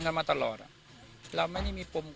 วันนี้ก็จะเป็นสวัสดีครับ